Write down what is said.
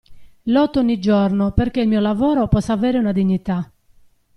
Lotto ogni giorno perché il mio lavoro possa avere una dignità.